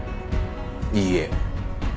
いいえ。